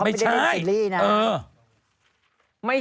ทางเทคนิคโฆษณากันได้